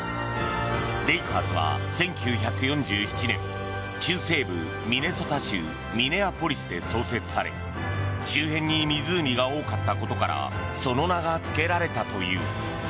レイカーズは、１９４７年中西部ミネソタ州ミネアポリスで創設され周辺に湖が多かったことからその名がつけられたという。